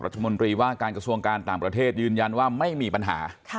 รัฐมนตรีว่าการกระทรวงการต่างประเทศยืนยันว่าไม่มีปัญหา